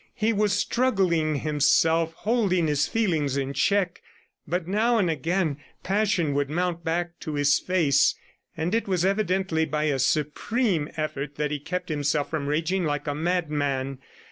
He was struggling himself, holding his feelings in check; but now and again passion would mount black to his face, and it was evidently by a supreme effort that he kept himself from raging like a madman.